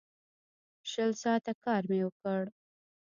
شل ساعته کار مې وکړ.